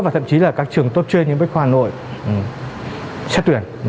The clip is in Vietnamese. và thậm chí là các trường tốt trên những bách khoa nội sẽ tuyển